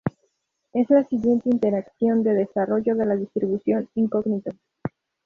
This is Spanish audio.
Es la siguiente iteración de desarrollo de la distribución Incognito.